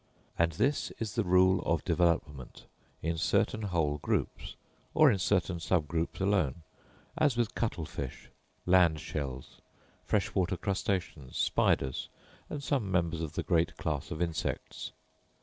And this is the rule of development in certain whole groups, or in certain sub groups alone, as with cuttle fish, land shells, fresh water crustaceans, spiders, and some members of the great class of insects.